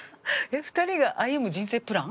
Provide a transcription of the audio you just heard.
２人が歩む人生プラン？